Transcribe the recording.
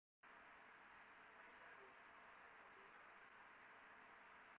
Ai xa rồi mà ai còn nhớ mãi